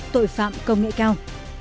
tội phạm công nghệ cao